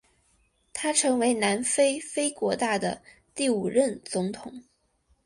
他成为南非非国大的第五任总统。